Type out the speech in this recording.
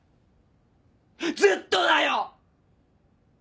ずっとだよ！